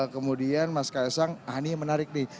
kemudian mas kaisang ah ini yang menarik nih